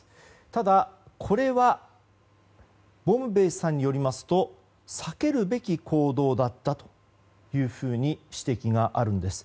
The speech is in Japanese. ただ、これはボムベースさんによりますと避けるべき行動だったと指摘があるんです。